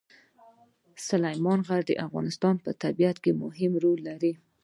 سلیمان غر د افغانستان په طبیعت کې مهم رول لري.